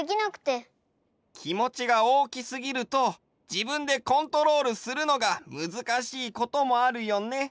きもちがおおきすぎるとじぶんでコントロールするのがむずかしいこともあるよね。